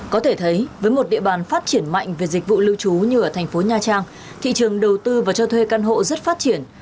có thể thấy với một địa bàn phát triển mạnh về dịch vụ lưu trú như ở thành phố nha trang thị trường đầu tư và cho thuê căn hộ rất phát triển